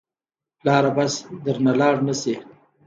پلاره بس درنه لاړ نه شي.